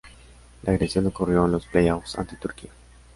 La agresión ocurrió en los play-offs ante Turquía.